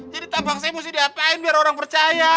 jadi tampak saya mesti dianjurin biar orang percaya